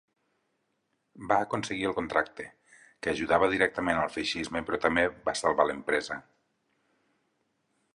Va aconseguir el contracte, que ajudava directament al feixisme però també va salvar l'empresa.